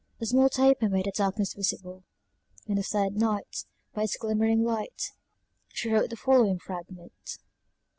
A small taper made the darkness visible; and the third night, by its glimmering light, she wrote the following fragment.